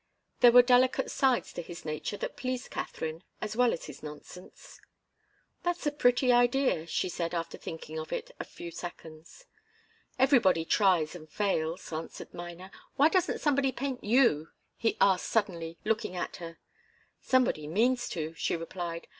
There were delicate sides to his nature that pleased Katharine as well as his nonsense. "That's a pretty idea," she said, after thinking of it a few seconds. "Everybody tries and fails," answered Miner. "Why doesn't somebody paint you?" he asked suddenly, looking at her. "Somebody means to," she replied.